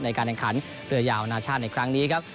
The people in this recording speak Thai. ในการแข่งขันเรือยาวนาชาติในครั้งนี้ครับ